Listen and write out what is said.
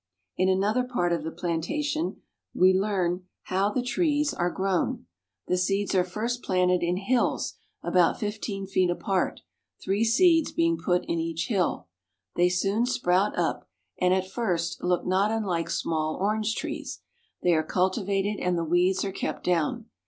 In another part of the plantation we learn how the trees Village in Colombia. 34 COLOMBIA. are grown. The seeds are first planted in hills about fifteen feet apart, three seeds being put in each hill. They soon sprout up, and at first look not unlike small orange trees. They are cultivated, and the weeds are kept down.